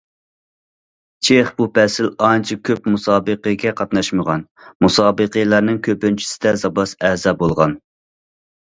چېخ بۇ پەسىل ئانچە كۆپ مۇسابىقىگە قاتناشمىغان، مۇسابىقىلەرنىڭ كۆپىنچىسىدە زاپاس ئەزا بولغان.